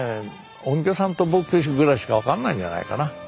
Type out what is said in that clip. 音響さんと僕たちぐらいしか分かんないんじゃないかな。